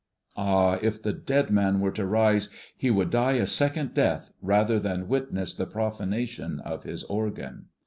Ah, if the dead man were to rise, he would die a second death rather than witness the profanation of his organ.